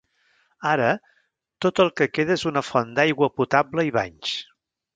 Ara, tot el que queda és una font d'aigua potable i banys.